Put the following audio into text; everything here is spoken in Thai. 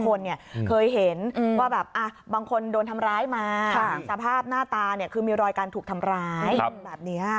คนเนี่ยเคยเห็นว่าแบบบางคนโดนทำร้ายมาสภาพหน้าตาเนี่ยคือมีรอยการถูกทำร้ายแบบนี้